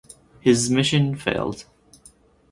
His mission failed.